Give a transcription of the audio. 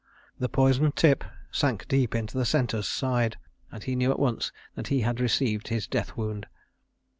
The poisoned tip sank deep into the centaur's side, and he knew at once that he had received his death wound.